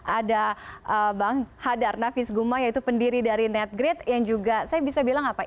ada bang hadar nafis guma yaitu pendiri dari netgrit yang juga saya bisa bilang apa